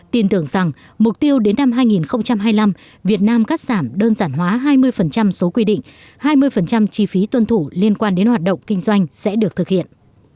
tin tưởng rằng mục tiêu đến năm hai nghìn hai mươi năm việt nam cắt giảm đơn giản hóa hai mươi số quy định hai mươi chi phí tuân thủ liên quan đến hoạt động kinh doanh sẽ được thực hiện